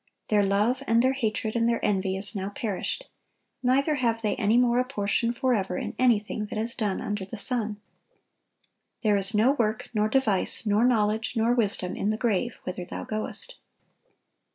"Their love, and their hatred, and their envy, is now perished; neither have they any more a portion forever in anything that is done under the sun." "There is no work, nor device, nor knowledge, nor wisdom, in the grave, whither thou goest."